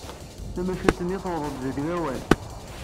Tamacint-nni tuweḍ-d deg lawan.